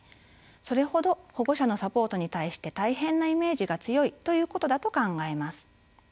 それほど保護者のサポートに対して大変なイメージが強いということだと考えます。